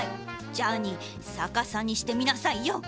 ジャーニーさかさにしてみなさいよ。